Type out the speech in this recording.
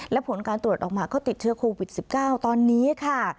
และผลการตรวจออกมาก็ติดเชื้อโควิด๑๙ตอนนี้ค่ะ